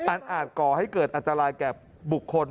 อาจก่อให้เกิดอันตรายแก่บุคคล